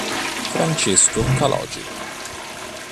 Francesco Calogero